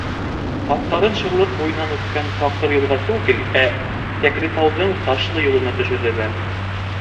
Аттарын шырлыҡ буйынан үткән таҡыр юлға түгел, ә Кәкретауҙың ташлы юлына төшөрҙөләр.